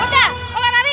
aduh mabuk mabuk mabuk